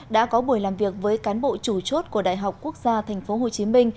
đã có buổi làm việc với cán bộ chủ chốt của đại học quốc gia tp hcm